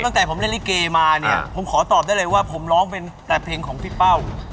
ตั้งแต่ผมเล่นลิเกมาเนี่ยผมขอตอบได้เลยว่าผมร้องเป็นแต่เพลงของพี่เป้า